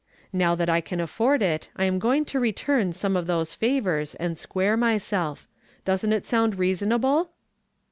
Now that I can afford it, I am going to return some of those favors and square myself. Doesn't it sound reasonable?"